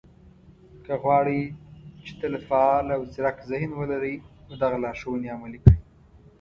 که غواړئ، چې تل فعال او ځيرک ذهن ولرئ، نو دغه لارښوونې عملي کړئ